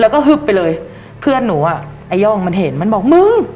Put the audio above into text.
แล้วก็ฮึบไปเลยเพื่อนหนูอ่ะไอ้ย่องมันเห็นมันบอกมึง